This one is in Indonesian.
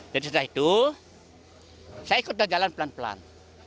jadi setelah itu saya ikut jalan pelan pelan